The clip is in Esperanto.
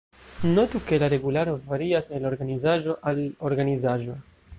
Notu ke la regularo varias el organizaĵo al organizaĵo.